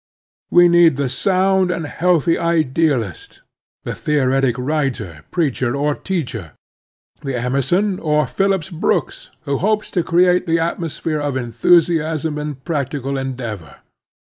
We need the sound and healthy idealist; the theoretic writer, preacher, or teacher; the Emerson or Phillips Brooks, who helps to create the atmosphere of enthusiasm and practical endeavor.